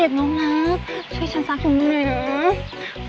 เอ็กซ์น้องนะช่วยฉันซักหน่อยหน่อยนะ